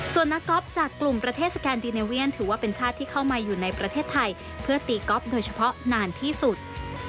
ส่วนนักก๊อฟจากกลุ่มประเทศสแกนดิเนเวียนถือว่าเป็นชาติที่เข้ามาอยู่ในประเทศไทยเพื่อตีก๊อฟโดยเฉพาะนานที่สุด